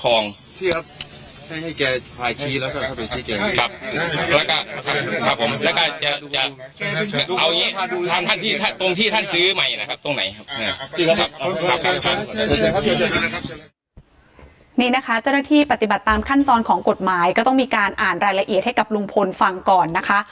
ตรงที่ท่านซื้อใหม่นะครับตรงไหนครับนี่นะคะเจ้าหน้าที่ปฏิบัติตามขั้นตอนของกฎหมายก็ต้องมีการอ่านรายละเอียดให้กับลุงพลฟังก่อนนะคะ